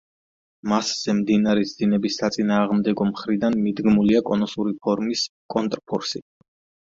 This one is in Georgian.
მასზე მდინარის დინების საწინააღმდეგო მხრიდან მიდგმულია კონუსური ფორმის კონტრფორსი.